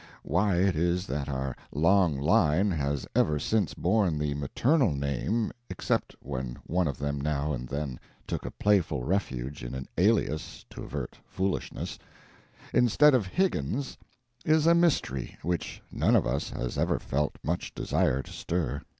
Why it is that our long line has ever since borne the maternal name (except when one of them now and then took a playful refuge in an alias to avert foolishness), instead of Higgins, is a mystery which none of us has ever felt much desire to stir.